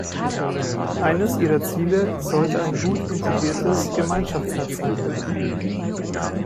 Eines ihrer Ziele sollte ein gut integriertes Gemeinschaftsnetz sein.